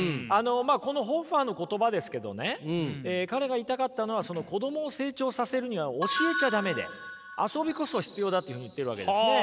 このホッファーの言葉ですけどね彼が言いたかったのは子供を成長させるには教えちゃダメで遊びこそ必要だというふうに言ってるわけですね。